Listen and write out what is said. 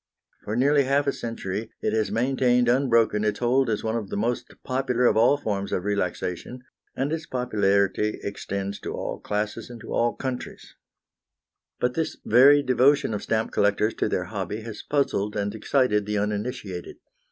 For nearly half a century it has maintained unbroken its hold as one of the most popular of all forms of relaxation, and its popularity extends to all classes and to all countries. But this very devotion of stamp collectors to their hobby has puzzled and excited the uninitiated.